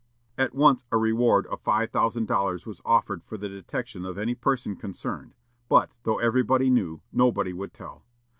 At once a reward of five thousand dollars was offered for the detection of any person concerned; but, though everybody knew, nobody would tell.